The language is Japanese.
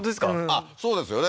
あっそうですよね